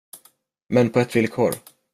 Men på ett villkor.